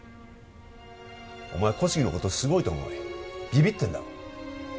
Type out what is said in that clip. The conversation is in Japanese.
お前小杉のことすごいと思いビビってんだろ？